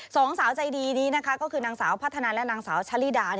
สองสาวใจดีนี้นะคะก็คือนางสาวพัฒนาและนางสาวชะลิดา